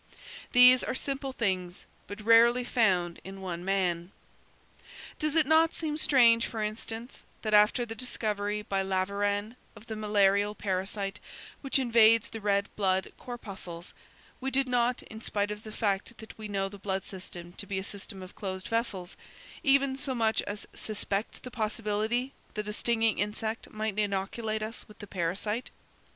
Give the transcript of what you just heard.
These are simple things, but rarely found in one man. Does it not seem strange, for instance, that after the discovery by Laveran of the malarial parasite which invades the red blood corpuscles, we did not, in spite of the fact that we know the blood system to be a system of closed vessels, even so much as suspect the possibility that a stinging insect might inoculate us with the parasite?